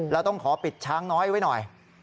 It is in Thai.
แล้วต้องขอปิดช้างน้อยไว้หน่อย